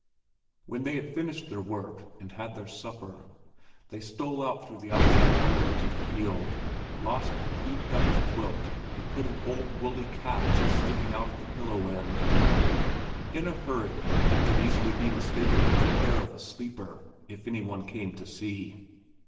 When they had finished their work and had their supper, they stole out through the outside door into the field. Lasse had heaped up the quilt, and put an old woolly cap just sticking out at the pillow end; in a hurry it could easily be mistaken for the hair of a sleeper, if any one came to see.